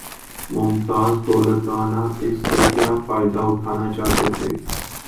ممتاز دولتانہ اس سے کیا فائدہ اٹھانا چاہتے تھے؟